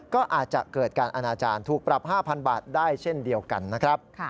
ก็อาจจะเกิดการอนาจารย์ถูกปรับ๕๐๐บาทได้เช่นเดียวกันนะครับ